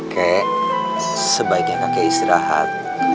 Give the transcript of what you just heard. kek sebaiknya kakek istirahat